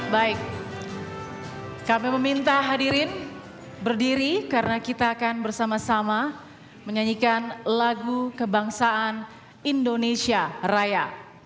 baik kami meminta hadirin berdiri karena kita akan bersama sama menyanyikan lagu kebangsaan indonesia raya